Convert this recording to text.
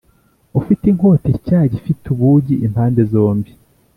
Ufite inkota ityaye ifite ubugi impande zombi